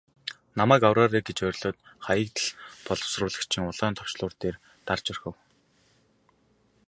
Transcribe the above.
Намайг авраарай гэж орилоод Хаягдал боловсруулагчийн улаан товчлуур дээр дарж орхив.